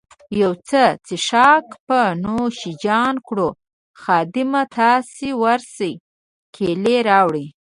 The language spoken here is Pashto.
یو څه څیښاک به نوش جان کړو، خادمه، تاسي ورشئ کیلۍ راوړئ.